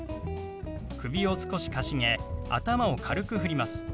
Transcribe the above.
首を少しかしげ頭を軽くふります。